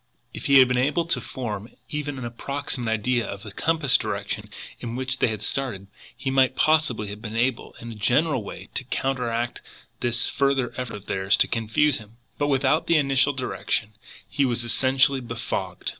If he had been able to form even an approximate idea of the compass direction in which they had started, he might possibly have been able in a general way to counteract this further effort of theirs to confuse him; but without the initial direction he was essentially befogged.